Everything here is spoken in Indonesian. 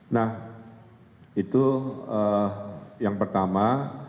nah itu yang pertama